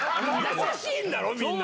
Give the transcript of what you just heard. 優しいんだろ、みんな。